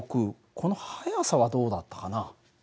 この速さはどうだったかな？